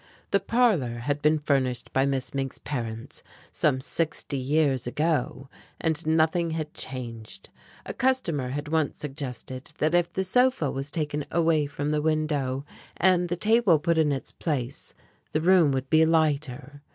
The parlor had been furnished by Miss Mink's parents some sixty years ago, and nothing had been changed. A customer had once suggested that if the sofa was taken away from the window, and the table put in its place, the room would be lighter.